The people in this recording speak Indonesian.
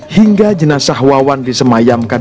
hingga jenazah wawan disemayamkan